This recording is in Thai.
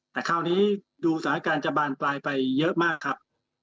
แต่คราวนี้ดูสถานการณ์จะบานปลายไปเยอะมากครับ